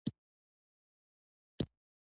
دغسې زړور سړی مې خوښېږي.